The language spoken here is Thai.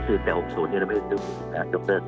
ยกเลิกครับสุดท้องประเด็นต้องการยกเลิก